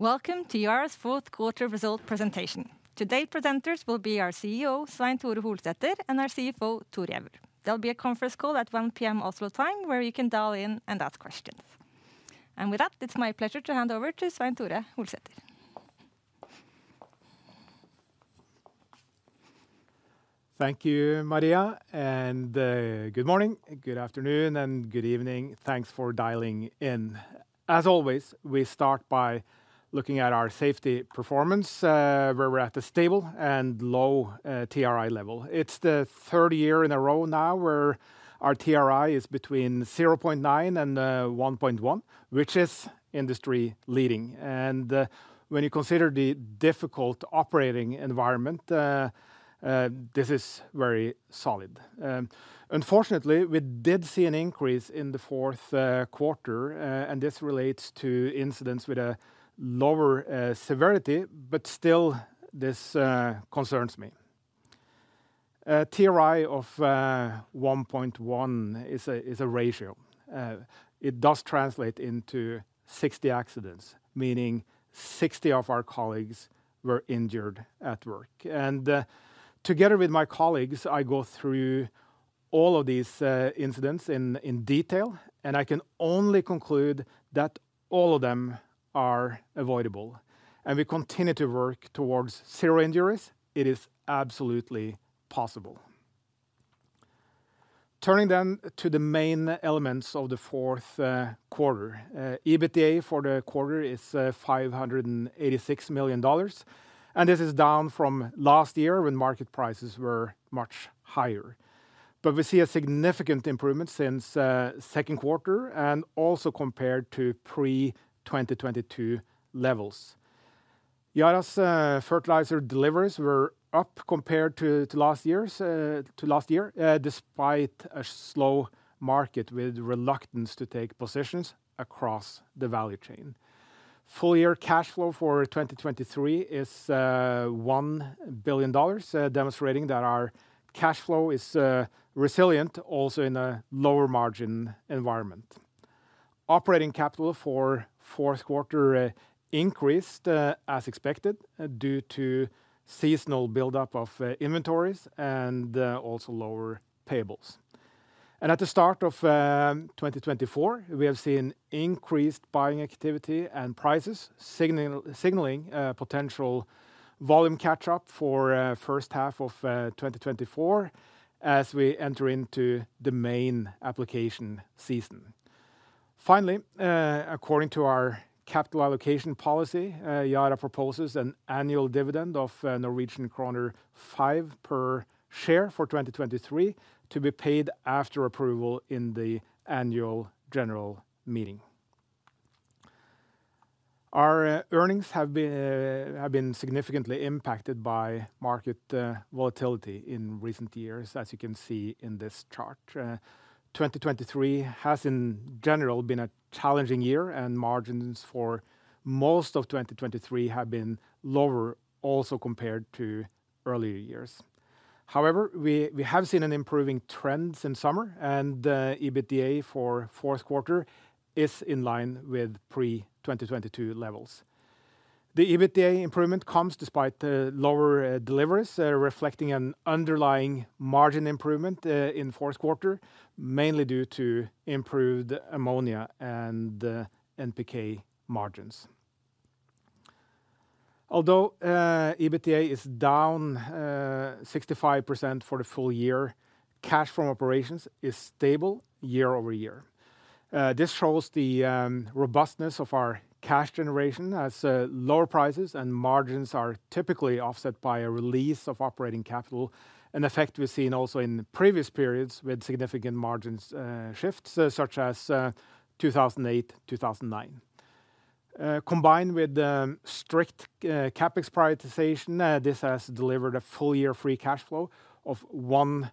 Welcome to Yara's fourth quarter result presentation. Today's presenters will be our CEO, Svein Tore Holsether, and our CFO, Thor Giæver. There'll be a conference call at 1:00 P.M. Oslo time where you can dial in and ask questions. With that, it's my pleasure to hand over to Svein Tore Holsether. Thank you, Maria. Good morning, good afternoon, and good evening. Thanks for dialing in. As always, we start by looking at our safety performance, where we're at a stable and low TRI level. It's the third year in a row now where our TRI is between 0.9-1.1, which is industry-leading. When you consider the difficult operating environment, this is very solid. Unfortunately, we did see an increase in the fourth quarter, and this relates to incidents with a lower severity, but still this concerns me. TRI of 1.1 is a ratio. It does translate into 60 accidents, meaning 60 of our colleagues were injured at work. Together with my colleagues, I go through all of these incidents in detail, and I can only conclude that all of them are avoidable. We continue to work towards zero injuries. It is absolutely possible. Turning to the main elements of the fourth quarter. EBITDA for the quarter is $586 million, and this is down from last year when market prices were much higher. But we see a significant improvement since second quarter, and also compared to pre-2022 levels. Yara's fertilizer deliveries were up compared to last year, despite a slow market with reluctance to take positions across the value chain. Full-year cash flow for 2023 is $1 billion, demonstrating that our cash flow is resilient, also in a lower margin environment. Operating capital for fourth quarter increased as expected due to seasonal buildup of inventories and also lower payables. At the start of 2024, we have seen increased buying activity and prices, signaling potential volume catch-up for first half of 2024 as we enter into the main application season. Finally, according to our capital allocation policy, Yara proposes an annual dividend of Norwegian kroner 5 per share for 2023 to be paid after approval in the annual general meeting. Our earnings have been significantly impacted by market volatility in recent years, as you can see in this chart. 2023 has, in general, been a challenging year, and margins for most of 2023 have been lower, also compared to earlier years. However, we have seen an improving trend since summer, and EBITDA for fourth quarter is in line with pre-2022 levels. The EBITDA improvement comes despite the lower deliveries, reflecting an underlying margin improvement in fourth quarter, mainly due to improved ammonia and NPK margins. Although EBITDA is down 65% for the full year, cash from operations is stable year-over-year. This shows the robustness of our cash generation as lower prices and margins are typically offset by a release of operating capital, an effect we've seen also in previous periods with significant margin shifts such as 2008-2009. Combined with strict CapEx prioritization, this has delivered a full-year free cash flow of $1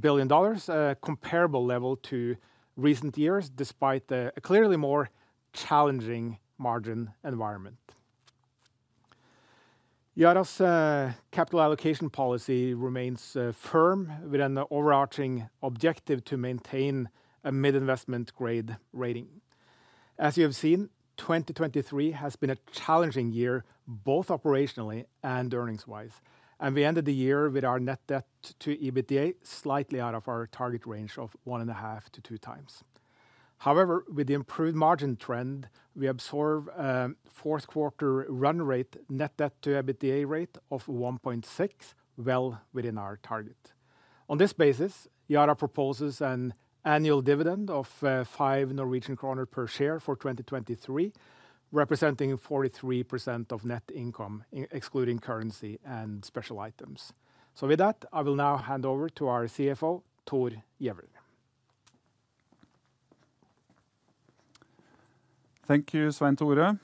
billion, a comparable level to recent years despite a clearly more challenging margin environment. Yara's capital allocation policy remains firm with an overarching objective to maintain a mid-investment-grade rating. As you have seen, 2023 has been a challenging year both operationally and earnings-wise, and we ended the year with our net debt to EBITDA slightly out of our target range of 1.5-2 times. However, with the improved margin trend, we absorb a fourth quarter run rate net debt to EBITDA rate of 1.6, well within our target. On this basis, Yara proposes an annual dividend of 5 Norwegian kroner per share for 2023, representing 43% of net income, excluding currency and special items. With that, I will now hand over to our CFO, Thor Giæver. Thank you, Svein Tore.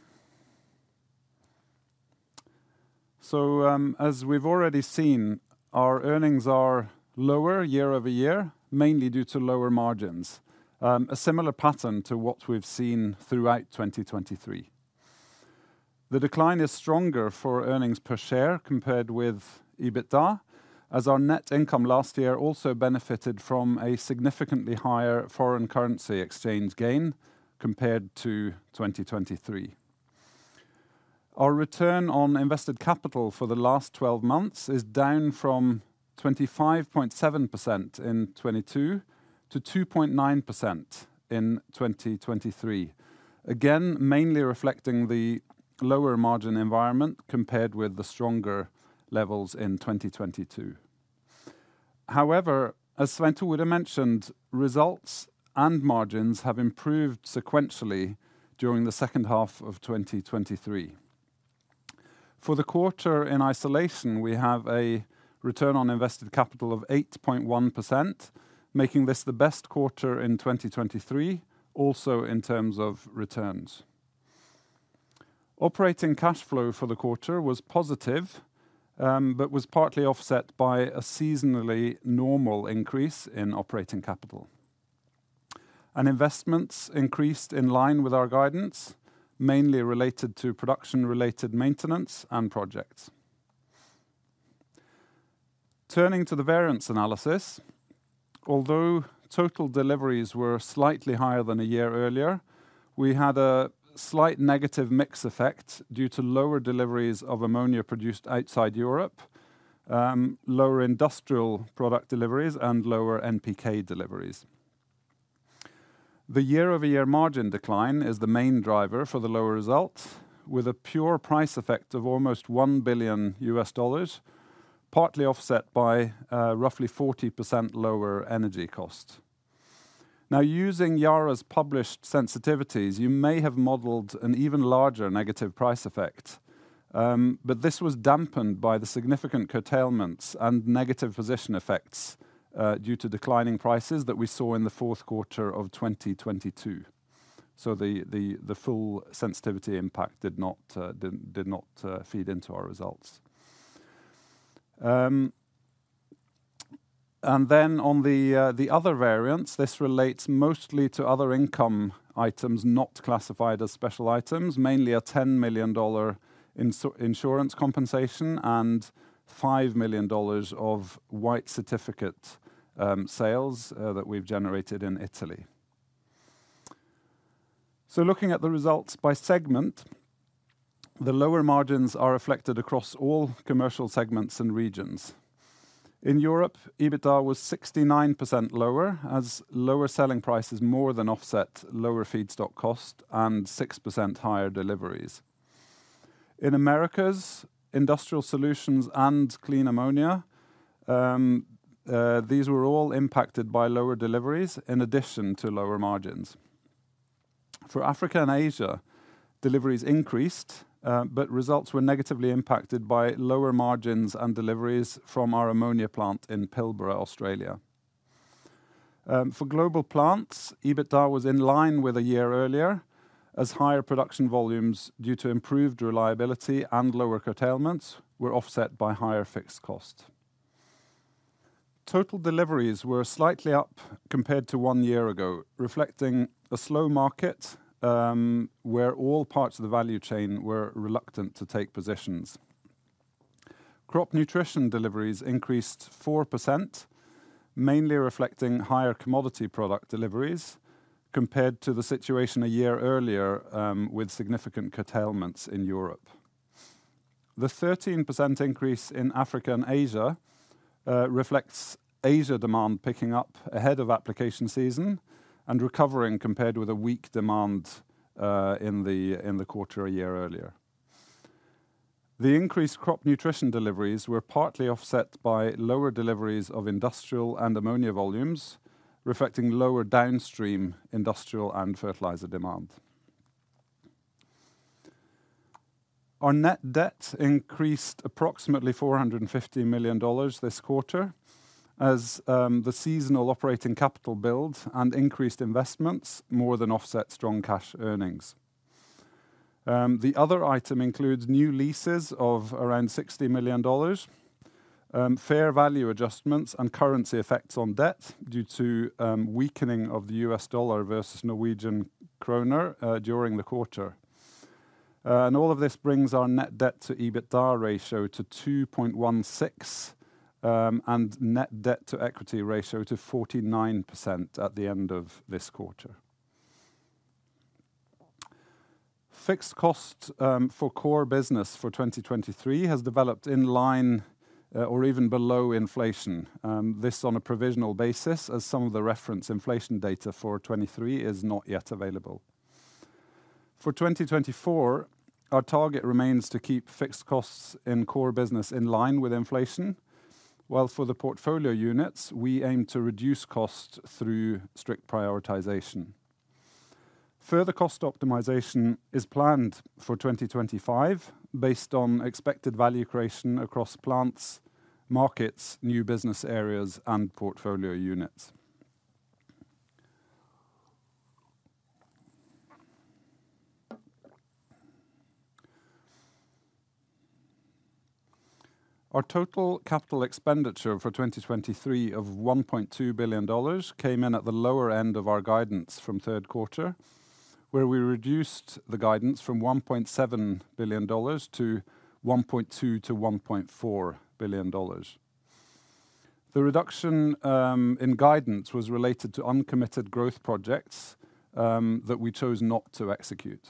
So as we've already seen, our earnings are lower year-over-year, mainly due to lower margins, a similar pattern to what we've seen throughout 2023. The decline is stronger for earnings per share compared with EBITDA, as our net income last year also benefited from a significantly higher foreign currency exchange gain compared to 2023. Our return on invested capital for the last 12 months is down from 25.7% in 2022 to 2.9% in 2023, again mainly reflecting the lower margin environment compared with the stronger levels in 2022. However, as Svein Tore mentioned, results and margins have improved sequentially during the second half of 2023. For the quarter in isolation, we have a return on invested capital of 8.1%, making this the best quarter in 2023, also in terms of returns. Operating cash flow for the quarter was positive but was partly offset by a seasonally normal increase in operating capital. Investments increased in line with our guidance, mainly related to production-related maintenance and projects. Turning to the variance analysis, although total deliveries were slightly higher than a year earlier, we had a slight negative mix effect due to lower deliveries of ammonia produced outside Europe, lower industrial product deliveries, and lower NPK deliveries. The year-over-year margin decline is the main driver for the lower results, with a pure price effect of almost $1 billion, partly offset by roughly 40% lower energy costs. Now, using Yara's published sensitivities, you may have modeled an even larger negative price effect, but this was dampened by the significant curtailments and negative position effects due to declining prices that we saw in the fourth quarter of 2022. So the full sensitivity impact did not feed into our results. And then on the other variance, this relates mostly to other income items not classified as special items, mainly a $10 million insurance compensation and $5 million of white certificate sales that we've generated in Italy. So looking at the results by segment, the lower margins are reflected across all commercial segments and regions. In Europe, EBITDA was 69% lower as lower selling prices more than offset lower feedstock costs and 6% higher deliveries. In Americas, industrial solutions and clean ammonia, these were all impacted by lower deliveries in addition to lower margins. For Africa and Asia, deliveries increased, but results were negatively impacted by lower margins and deliveries from our ammonia plant in Pilbara, Australia. For global plants, EBITDA was in line with a year earlier as higher production volumes due to improved reliability and lower curtailments were offset by higher fixed costs. Total deliveries were slightly up compared to one year ago, reflecting a slow market where all parts of the value chain were reluctant to take positions. Crop nutrition deliveries increased 4%, mainly reflecting higher commodity product deliveries compared to the situation a year earlier with significant curtailments in Europe. The 13% increase in Africa and Asia reflects Asia demand picking up ahead of application season and recovering compared with a weak demand in the quarter a year earlier. The increased crop nutrition deliveries were partly offset by lower deliveries of industrial and ammonia volumes, reflecting lower downstream industrial and fertilizer demand. Our net debt increased approximately $450 million this quarter as the seasonal operating capital build and increased investments more than offset strong cash earnings. The other item includes new leases of around $60 million, fair value adjustments, and currency effects on debt due to weakening of the U.S. dollar versus Norwegian kroner during the quarter. All of this brings our net debt to EBITDA ratio to 2.16 and net debt to equity ratio to 49% at the end of this quarter. Fixed costs for core business for 2023 has developed in line or even below inflation. This on a provisional basis as some of the reference inflation data for 2023 is not yet available. For 2024, our target remains to keep fixed costs in core business in line with inflation, while for the portfolio units, we aim to reduce costs through strict prioritization. Further cost optimization is planned for 2025 based on expected value creation across plants, markets, new business areas, and portfolio units. Our total capital expenditure for 2023 of $1.2 billion came in at the lower end of our guidance from third quarter, where we reduced the guidance from $1.7 billion to $1.2 billion-$1.4 billion. The reduction in guidance was related to uncommitted growth projects that we chose not to execute.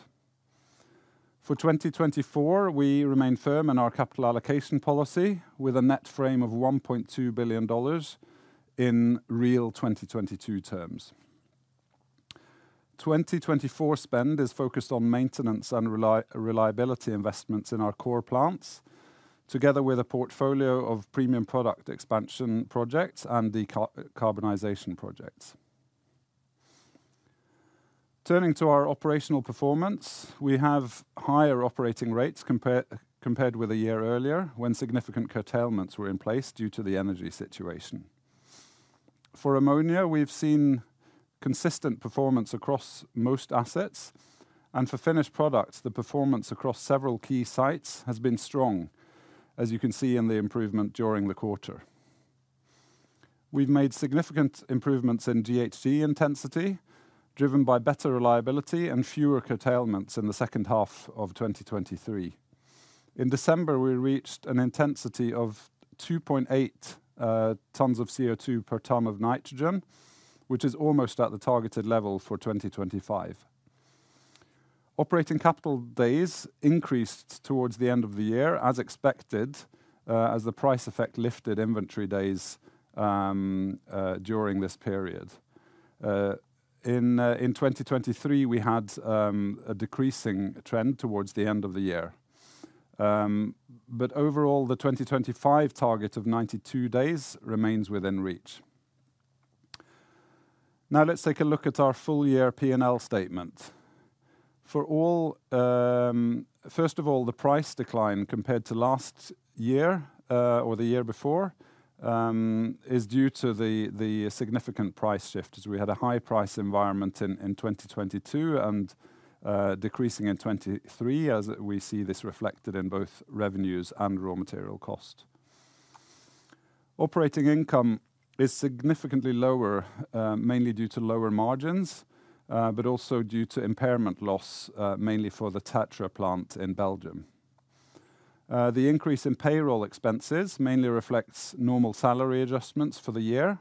For 2024, we remain firm in our capital allocation policy with a net frame of $1.2 billion in real 2022 terms. 2024 spend is focused on maintenance and reliability investments in our core plants, together with a portfolio of premium product expansion projects and decarbonization projects. Turning to our operational performance, we have higher operating rates compared with a year earlier when significant curtailments were in place due to the energy situation. For ammonia, we've seen consistent performance across most assets, and for finished products, the performance across several key sites has been strong, as you can see in the improvement during the quarter. We've made significant improvements in GHG intensity, driven by better reliability and fewer curtailments in the second half of 2023. In December, we reached an intensity of 2.8 tons of CO2 per ton of nitrogen, which is almost at the targeted level for 2025. Operating capital days increased towards the end of the year as expected as the price effect lifted inventory days during this period. In 2023, we had a decreasing trend towards the end of the year. But overall, the 2025 target of 92 days remains within reach. Now, let's take a look at our full-year P&L statement. First of all, the price decline compared to last year or the year before is due to the significant price shift, as we had a high price environment in 2022 and decreasing in 2023 as we see this reflected in both revenues and raw material costs. Operating income is significantly lower, mainly due to lower margins, but also due to impairment loss, mainly for the Tertre plant in Belgium. The increase in payroll expenses mainly reflects normal salary adjustments for the year.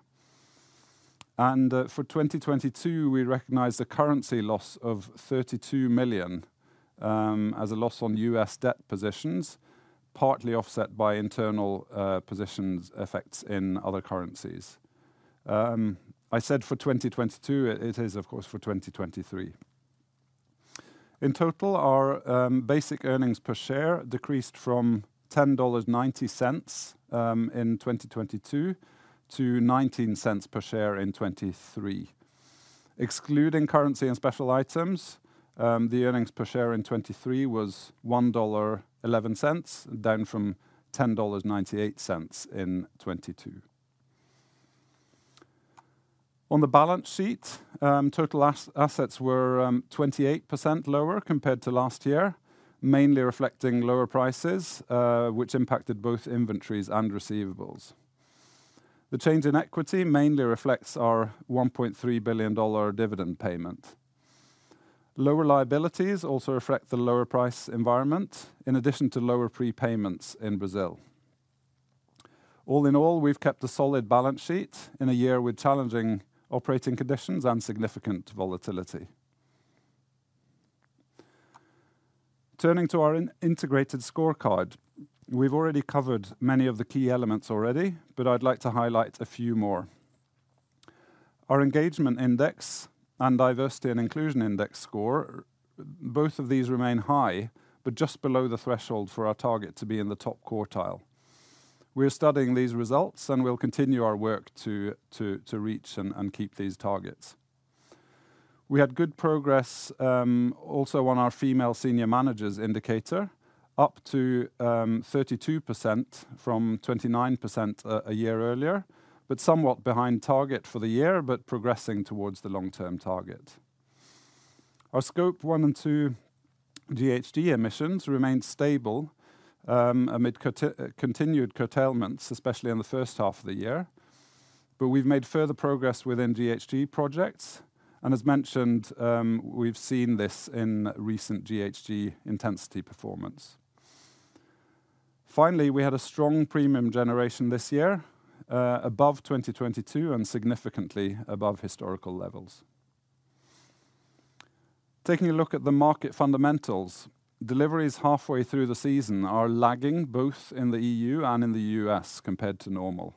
For 2022, we recognize the currency loss of $32 million as a loss on U.S. debt positions, partly offset by internal positions effects in other currencies. I said for 2022. It is, of course, for 2023. In total, our basic earnings per share decreased from $10.90 in 2022 to $0.19 per share in 2023. Excluding currency and special items, the earnings per share in 2023 was $1.11, down from $10.98 in 2022. On the balance sheet, total assets were 28% lower compared to last year, mainly reflecting lower prices, which impacted both inventories and receivables. The change in equity mainly reflects our $1.3 billion dividend payment. Lower liabilities also reflect the lower price environment, in addition to lower prepayments in Brazil. All in all, we've kept a solid balance sheet in a year with challenging operating conditions and significant volatility. Turning to our integrated scorecard, we've already covered many of the key elements already, but I'd like to highlight a few more. Our engagement index and diversity and inclusion index score, both of these remain high but just below the threshold for our target to be in the top quartile. We're studying these results, and we'll continue our work to reach and keep these targets. We had good progress also on our female senior managers indicator, up to 32% from 29% a year earlier, but somewhat behind target for the year but progressing towards the long-term target. Our Scope 1 and 2 GHG emissions remained stable amid continued curtailments, especially in the first half of the year. We've made further progress within GHG projects, and as mentioned, we've seen this in recent GHG intensity performance. Finally, we had a strong premium generation this year, above 2022 and significantly above historical levels. Taking a look at the market fundamentals, deliveries halfway through the season are lagging both in the EU and in the U.S. compared to normal.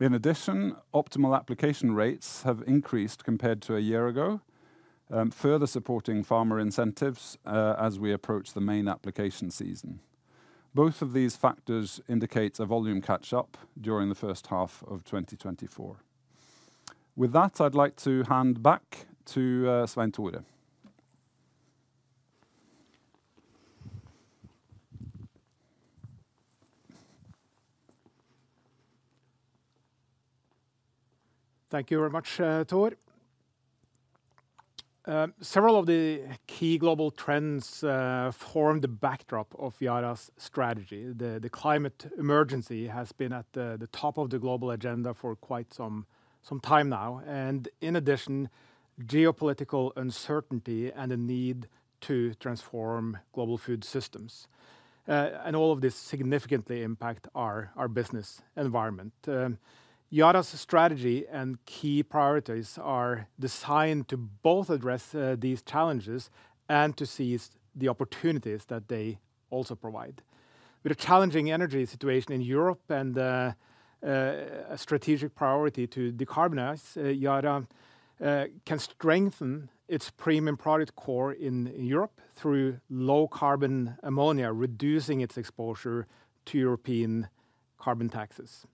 In addition, optimal application rates have increased compared to a year ago, further supporting farmer incentives as we approach the main application season. Both of these factors indicate a volume catch-up during the first half of 2024. With that, I'd like to hand back to Svein Tore. Thank you very much, Thor. Several of the key global trends form the backdrop of Yara's strategy. The climate emergency has been at the top of the global agenda for quite some time now. In addition, geopolitical uncertainty and the need to transform global food systems. All of this significantly impacts our business environment. Yara's strategy and key priorities are designed to both address these challenges and to seize the opportunities that they also provide. With a challenging energy situation in Europe and a strategic priority to decarbonize, Yara can strengthen its premium product core in Europe through low-carbon ammonia, reducing its exposure to European carbon taxes.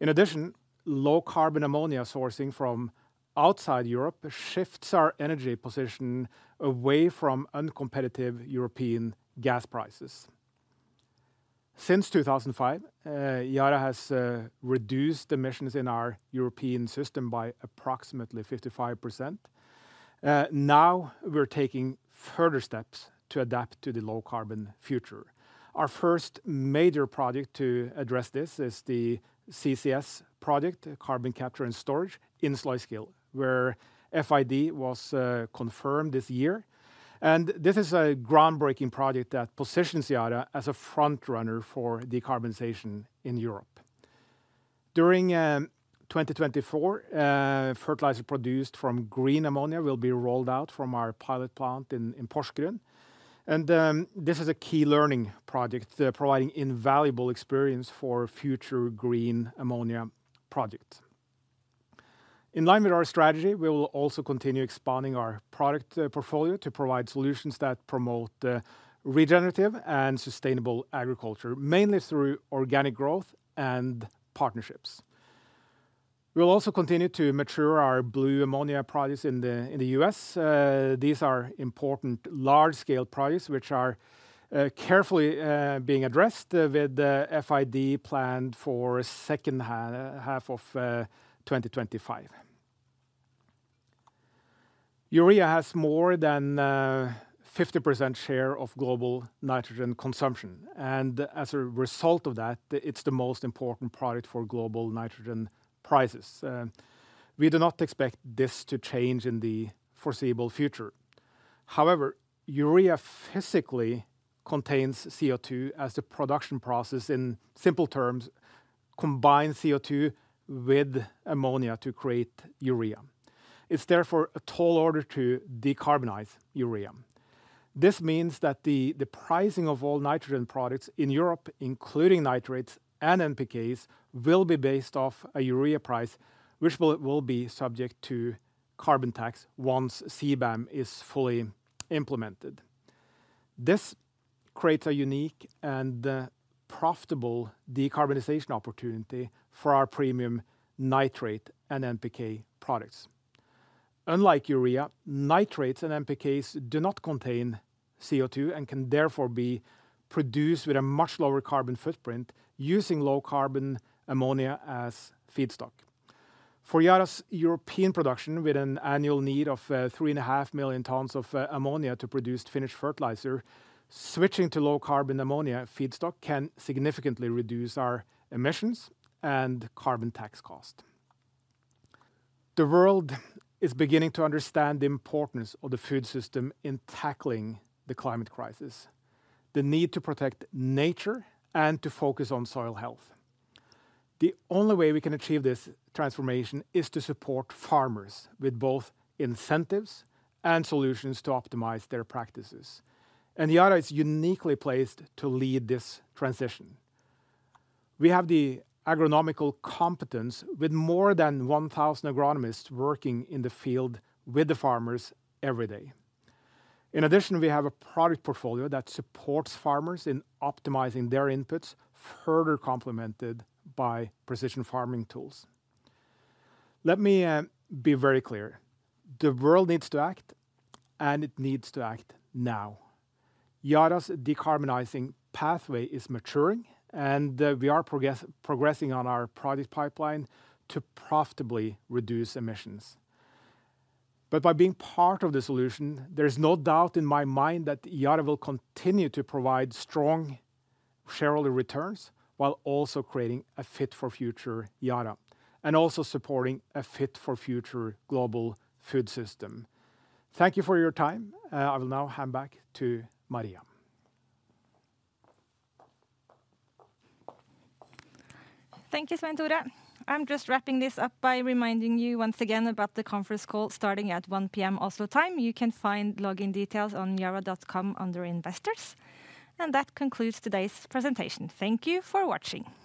In addition, low-carbon ammonia sourcing from outside Europe shifts our energy position away from uncompetitive European gas prices. Since 2005, Yara has reduced emissions in our European system by approximately 55%. Now we're taking further steps to adapt to the low-carbon future. Our first major project to address this is the CCS project, Carbon Capture and Storage in Sluiskil, where FID was confirmed this year. And this is a groundbreaking project that positions Yara as a frontrunner for decarbonization in Europe. During 2024, fertilizer produced from green ammonia will be rolled out from our pilot plant in Porsgrunn. And this is a key learning project, providing invaluable experience for future green ammonia projects. In line with our strategy, we will also continue expanding our product portfolio to provide solutions that promote regenerative and sustainable agriculture, mainly through organic growth and partnerships. We will also continue to mature our blue ammonia projects in the U.S. These are important large-scale projects which are carefully being addressed with FID planned for second half of 2025. Urea has more than 50% share of global nitrogen consumption. As a result of that, it's the most important product for global nitrogen prices. We do not expect this to change in the foreseeable future. However, urea physically contains CO2 as the production process, in simple terms, combines CO2 with ammonia to create urea. It's therefore a tall order to decarbonize urea. This means that the pricing of all nitrogen products in Europe, including nitrates and NPKs, will be based off a urea price which will be subject to carbon tax once CBAM is fully implemented. This creates a unique and profitable decarbonization opportunity for our premium nitrate and NPK products. Unlike urea, nitrates and NPKs do not contain CO2 and can therefore be produced with a much lower carbon footprint using low-carbon ammonia as feedstock. For Yara's European production, with an annual need of 3.5 million tons of ammonia to produce finished fertilizer, switching to low-carbon ammonia feedstock can significantly reduce our emissions and carbon tax cost. The world is beginning to understand the importance of the food system in tackling the climate crisis, the need to protect nature and to focus on soil health. The only way we can achieve this transformation is to support farmers with both incentives and solutions to optimize their practices. Yara is uniquely placed to lead this transition. We have the agronomical competence with more than 1,000 agronomists working in the field with the farmers every day. In addition, we have a product portfolio that supports farmers in optimizing their inputs, further complemented by precision farming tools. Let me be very clear. The world needs to act, and it needs to act now. Yara's decarbonizing pathway is maturing, and we are progressing on our project pipeline to profitably reduce emissions. But by being part of the solution, there is no doubt in my mind that Yara will continue to provide strong shareholder returns while also creating a fit-for-future Yara and also supporting a fit-for-future global food system. Thank you for your time. I will now hand back to Maria. Thank you, Svein Tore. I'm just wrapping this up by reminding you once again about the conference call starting at 1:00 P.M. Oslo time. You can find login details on yara.com under Investors. That concludes today's presentation. Thank you for watching.